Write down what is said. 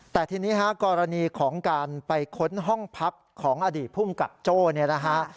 แต่ทีนี้ฮะกรณีของการไปค้นห้องพักของอดีตภูมิกับโจ้เนี่ยนะฮะ